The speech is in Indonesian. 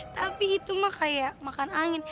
tapi itu mah kayak makan angin